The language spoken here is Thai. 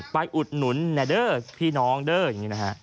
อุดหนุนแอร์เดอร์พี่น้องเด้ออย่างนี้นะฮะ